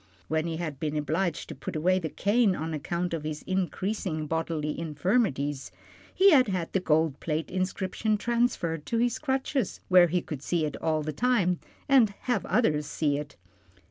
When he had been obliged to put away the cane on account of his increasing bodily infirmities, he had had the gold plate inscription transferred to his crutches where he could see it all the time, and have others see it.